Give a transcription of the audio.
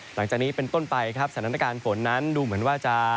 หลังจากนี้เป็นต้นไปครับสถานการณ์ฝนนั้นดูเหมือนว่าจะ